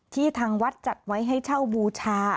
ทางวัดจัดไว้ให้เช่าบูชา